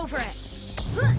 フッ！